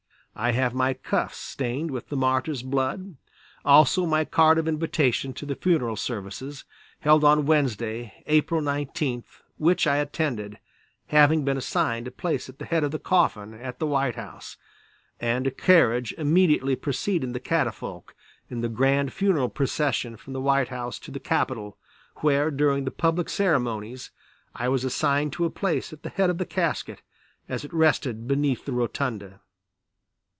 I have my cuffs stained with the martyr's blood, also my card of invitation to the funeral services, held on Wednesday, April 19, which I attended, having been assigned a place at the head of the coffin at the White House, and a carriage immediately preceding the catafalque in the grand funeral procession from the White House to the Capitol; where during the public ceremonies I was assigned to a place at the head of the casket as it rested beneath the rotunda.